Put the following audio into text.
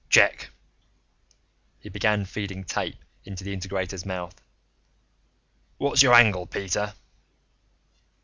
"Check." He began feeding tape into the integrator's mouth. "What's your angle, Peter?"